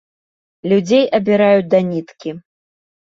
Людзей абіраюць да ніткі.